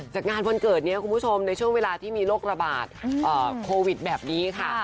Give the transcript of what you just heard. จากงานวันเกิดนี้คุณผู้ชมในช่วงเวลาที่มีโรคระบาดโควิดแบบนี้ค่ะ